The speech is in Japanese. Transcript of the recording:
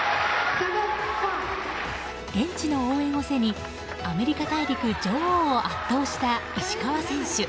現地の応援を背にアメリカ大陸女王を圧倒した石川選手。